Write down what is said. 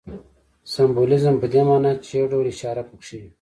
سمبولیزم په دې ماناچي یو ډول اشاره پکښې وي.